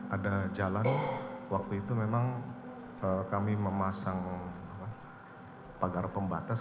ada jalan waktu itu memang kami memasang pagar pembatas